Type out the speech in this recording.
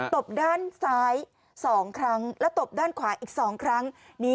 บด้านซ้าย๒ครั้งแล้วตบด้านขวาอีก๒ครั้ง